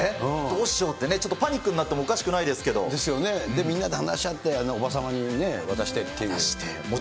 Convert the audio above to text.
どうしようって、ちょっとパニックになってもおかしくないと思いますけれども。ですよね、みんなで話し合って、おば様にね、渡してっていう。